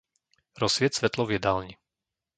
Rozsvieť svetlo v jedálni.